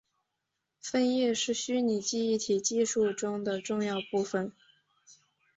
分页是虚拟记忆体技术中的重要部份。